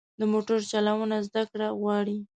د موټر چلوونه زده کړه غواړي.